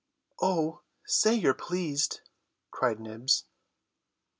"Oh, say you're pleased," cried Nibs.